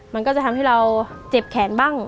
มันก็จะทำให้เราเจ็บแขนบ้าง